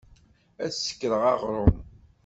Ad sekreɣ aɣṛum.